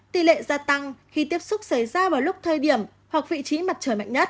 tỷ lệ gia tăng khi tiếp xúc xảy ra vào lúc thời điểm hoặc vị trí mặt trời mạnh nhất